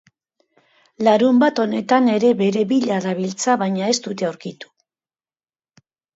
Larunbat honetan ere bere bila dabiltza baina ez dute aurkitu.